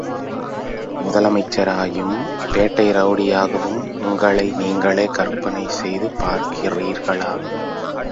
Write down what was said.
முதலமைச்சராயும் பேட்டை ரெளடியாகவும் உங்களை நீங்களே கற்பனை செய்து பார்க்கிறீர்களா..?